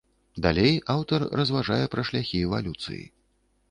Далей аўтар разважае пра шляхі эвалюцыі.